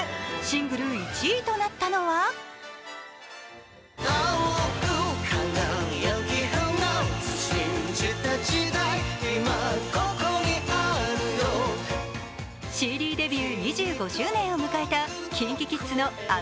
シングル１位となったのはＣＤデビュー２５周年を迎えたＫｉｎＫｉＫｉｄｓの「ＡｍａｚｉｎｇＬｏｖｅ」。